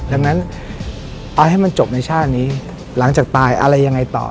ดังนั้นเอาให้มันจบในชาตินี้หลังจากตายอะไรยังไงต่อ